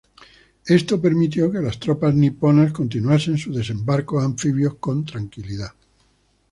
Esto permitió que las tropas niponas continuasen sus desembarcos anfibios con tranquilidad.